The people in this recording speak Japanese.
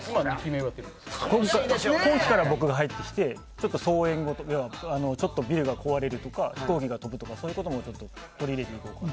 今期から僕が入ってきてちょっとビルが壊れるとか飛行機が飛ぶとかも取り入れていこうかなと。